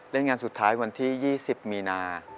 เล่นงานสุดท้ายวันที่๒๐มีนา